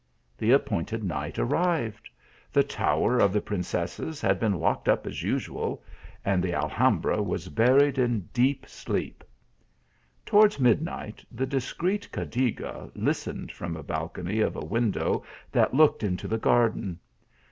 The appointed night arrived. The tower of the princesses had been locked up as usual, and the Al hambra was buried in deep sleep. Towards mid night the discreet Cadiga listened from a balcony of a window that looked into the garden.